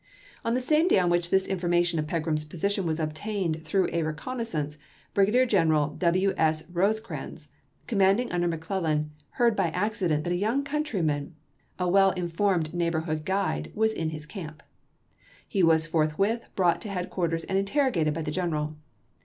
On the same day on which this information of Pegram's position was obtained through a recon naissance, Brigadier General W. S. Rosecrans, com manding under McClellan, heard by accident that a young countryman, a well informed neighbor hood guide, was in his camp. He was forthwith brought to headquarters and interrogated by the general.